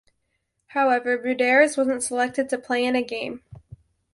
However Buderus wasn't selected to play in a game.